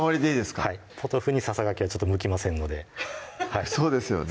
はいポトフにささがきはちょっと向きませんのでそうですよね